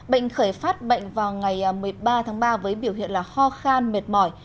bệnh khởi phát bệnh vào ngày một mươi ba tháng ba với biểu hiện ho khan mệt mỏi